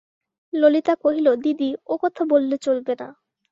ললিতা কহিল, দিদি, ও কথা বললে চলবে না।